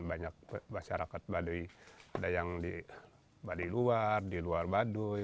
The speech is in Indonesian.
banyak masyarakat baduy ada yang di baduy luar di luar baduy